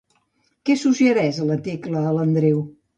Què suggereix la Tecla a l'Andreu?